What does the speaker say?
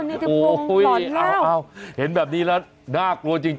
เออเนติพงหล่อนแล้วโอ้โฮเอาเห็นแบบนี้ละน่ากลัวจริง